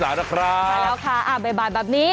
มาแล้วค่ะบายบายแบบนี้